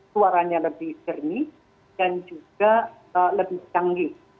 suaranya lebih jernih dan juga lebih canggih